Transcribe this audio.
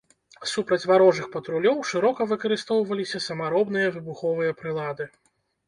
Супраць варожых патрулёў шырока выкарыстоўваліся самаробныя выбуховыя прылады.